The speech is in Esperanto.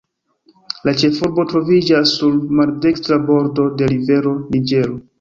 La ĉefurbo troviĝas sur maldekstra bordo de rivero Niĝero.